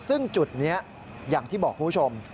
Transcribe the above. ซึ่งจุดนี้อย่างที่บอกคุณผู้ชม